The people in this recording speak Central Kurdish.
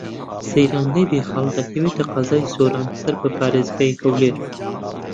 سەیرانگەی بێخاڵ دەکەوێتە قەزای سۆران سەر بە پارێزگای هەولێر.